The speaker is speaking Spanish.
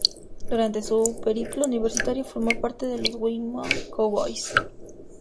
Durante su periplo universitario formó parte de los Wyoming Cowboys.